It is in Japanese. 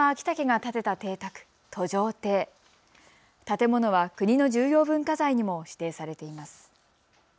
建物は国の重要文化財にも指定されています。